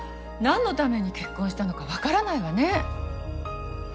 なんのために結婚したのかわからないわね。